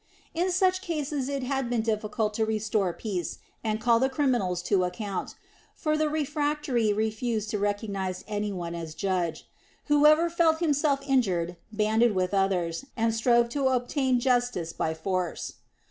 In such cases it had been difficult to restore peace and call the criminals to account; for the refractory refused to recognize any one as judge. Whoever felt himself injured banded with others, and strove to obtain justice by force.